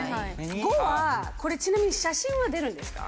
５はこれちなみに写真は出るんですか？